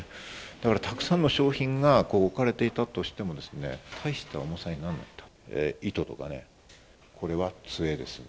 だからたくさんの商品が置かれていたとしても大した重さになんないと。